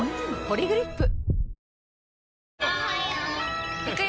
「ポリグリップ」